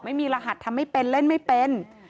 ไม่มีรหัสทำไม่เป็นเล่นไม่เป็น